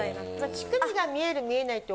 乳首が見えるか見えない。